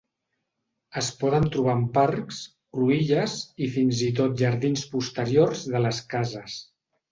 Es poden trobar en parcs, cruïlles, i fins i tot jardins posteriors de les cases.